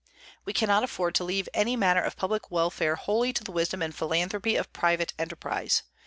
We cannot afford to leave any matter of public welfare wholly to the wisdom and philanthropy of private enterprise.